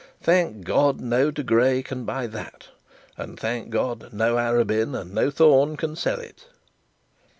Thank God, no De Grey can buy that and, thank God no Arabin, and no Thorne, can sell it.'